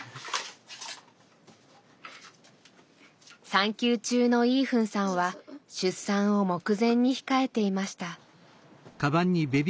産休中のイーフンさんは出産を目前に控えていました。